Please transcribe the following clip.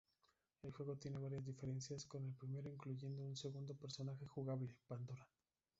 El juego tiene varias diferencias con el primero, incluyendo un segundo personaje jugable, Pandora.